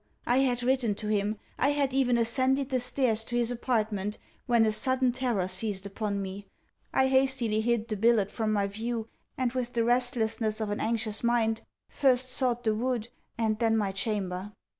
I had written to him, I had even ascended the stairs to his apartment, when a sudden terror seized upon me. I hastily hid the billet from my view, and with the restlessness of an anxious mind, first sought the wood, and then my chamber.